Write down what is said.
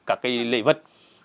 các lễ vật